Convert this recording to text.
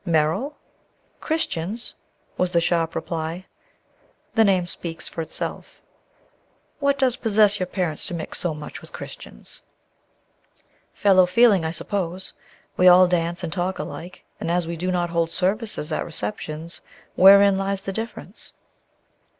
"Merrill? Christians?" was the sharp reply. "The name speaks for itself." "What does possess your parents to mix so much with Christians?" "Fellow feeling, I suppose. We all dance and talk alike; and as we do not hold services at receptions, wherein lies the difference?"